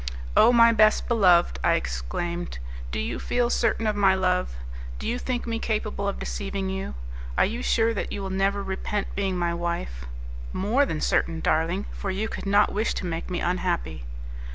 "Oh, my best beloved!" I exclaimed, "do you feel certain of my love? Do you think me capable of deceiving you? Are you sure that you will never repent being my wife?" "More than certain, darling; for you could not wish to make me unhappy."